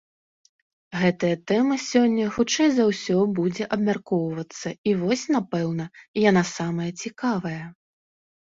Гэтая тэма сёння, хутчэй за ўсё, будзе абмяркоўвацца, і вось, напэўна, яна самая цікавая.